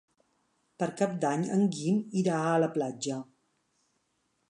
Per Cap d'Any en Guim irà a la platja.